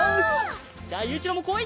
じゃあゆういちろうもこい！